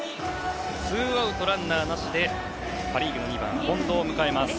ツーアウト、ランナーなしでパ・リーグの２番、近藤を迎えます。